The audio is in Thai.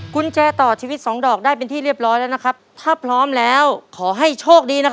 กุญแจต่อชีวิตสองดอกได้เป็นที่เรียบร้อยแล้วนะครับถ้าพร้อมแล้วขอให้โชคดีนะครับ